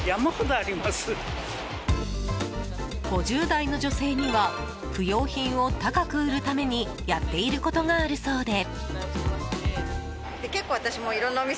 ５０代の女性には不用品を高く売るためにやっていることがあるそうで。